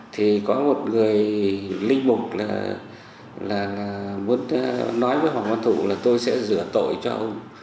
thì có một người linh mục là muốn nói với hoàng văn thụ là tôi sẽ rửa tội cho ông